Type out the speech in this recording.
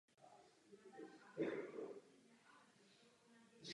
Také klín představuje v podstatě variantu nakloněné roviny.